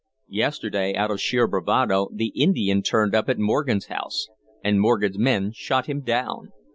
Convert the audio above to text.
Yesterday, out of sheer bravado, the Indian turned up at Morgan's house, and Morgan's men shot him down.